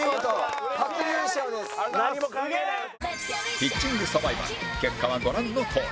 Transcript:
ピッチングサバイバル結果はご覧のとおり